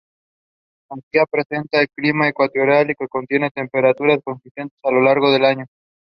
Its peculiar feature is the mixture of languages.